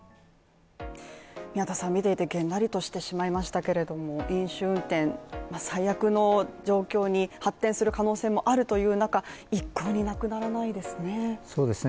見ていてげんなりとしてしまいましたけれども飲酒運転は最悪の状況に発展する可能性もあるという中、いっこうになくならないですね。